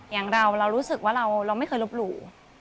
อย่างเราเรารู้สึกว่าเราไม่เคยลบหลู่